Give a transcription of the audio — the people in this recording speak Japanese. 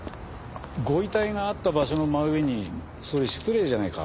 ご遺体があった場所の真上にそれ失礼じゃねえか？